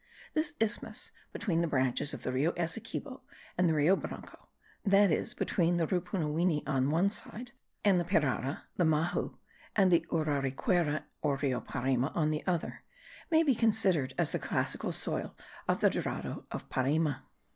This isthmus, between the branches of the Rio Essequibo and the Rio Branco (that is, between the Rupunuwini on one side, and the Pirara, the Mahu, and the Uraricuera or Rio Parima on the other), may be considered as the classical soil of the Dorado of Parima.